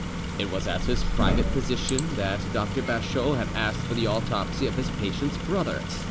It was as his private physician that Dr. Bachot had asked for the autopsy of his patient's brother.